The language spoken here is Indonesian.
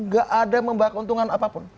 gak ada membahagi untungan apapun